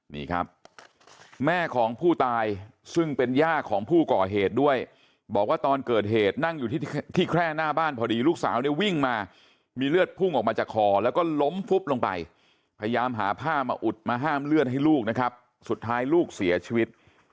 นี่ครับแม่ของผู้ตายซึ่งเป็นย่าของผู้ก่อเหตุด้วยบอกว่าตอนเกิดเหตุนั่งอยู่ที่แคร่หน้าบ้านพอดีลูกสาวเนี่ยวิ่งมามีเลือดพุ่งออกมาจากคอแล้วก็ล้มฟุบลงไปพยายามหาผ้ามาอุดมาห้ามเลือดให้ลูกนะครับสุดท้ายลูกเสียชีวิต